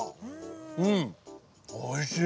うんおいしい！